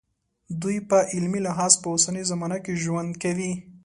دوی په عملي لحاظ په اوسنۍ زمانه کې ژوند کوي.